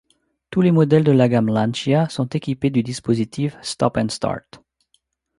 Tous les modèles de la gamme Lancia sont équipés du dispositif Stop & Start.